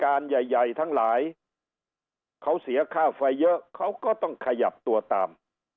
ใหญ่ใหญ่ทั้งหลายเขาเสียค่าไฟเยอะเขาก็ต้องขยับตัวตาม